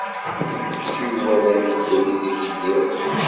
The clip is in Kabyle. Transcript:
Kečč iwalan ddel ideg lliɣ.